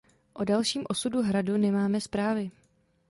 O dalším osudu hradu nemáme zprávy.